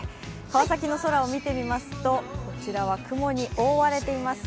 川崎の空を見てみますと、こちらは雲に覆われています